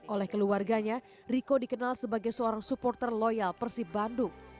oleh keluarganya riko dikenal sebagai seorang supporter loyal persib bandung